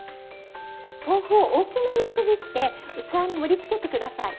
豆腐を大きめにちぎって器に盛りつけて下さい。